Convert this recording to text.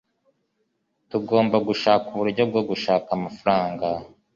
Tugomba gushaka uburyo bwo gushaka amafaranga.